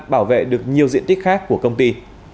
bảo vệ được nhiều diện tích khác của công ty